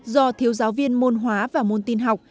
do thiếu giáo viên môn hóa và môn tin học